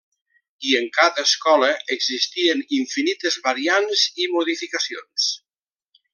I en cada escola existien infinites variants i modificacions.